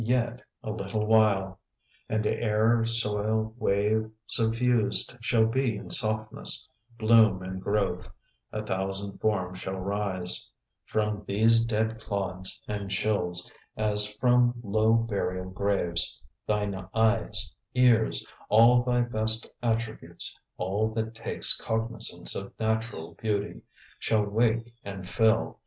Yet _" a little while And air, soil, wave, suffused shall be in softness, bloom and growth; a thousand forms shall rise From these dead clods and chills, as from low burial graves, Thine eyes, ears, all thy best attributes, all that takes cognizance of natural beauty, Shall wake and fill.